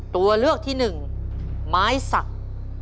ตัวเลือกที่หนึ่งไม้สัก